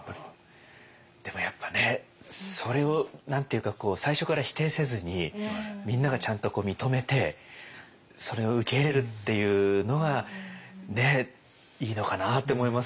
でもやっぱねそれを何て言うか最初から否定せずにみんながちゃんと認めてそれを受け入れるっていうのがねいいのかなと思います。